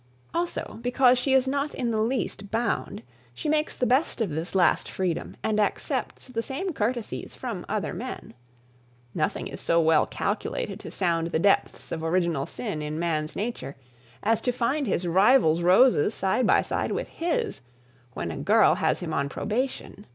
Also, because she is not in the least bound, she makes the best of this last freedom and accepts the same courtesies from other men. Nothing is so well calculated to sound the depths of original sin in man's nature, as to find his rival's roses side by side with his, when a girl has him on probation.